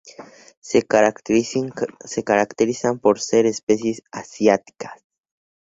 Se caracterizan por ser especies asiáticas.